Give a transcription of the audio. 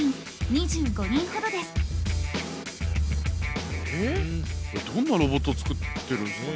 これどんなロボット作ってるんですかね？